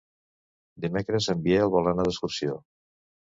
Dimecres en Biel vol anar d'excursió.